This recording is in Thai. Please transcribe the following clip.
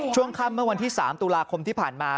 ช่วงค่ำเมื่อวันที่๓ตุลาคมที่ผ่านมา